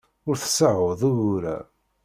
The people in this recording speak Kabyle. Ur tseɛɛuḍ ugur-a.